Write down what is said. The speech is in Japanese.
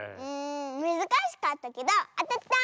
むずかしかったけどあたった！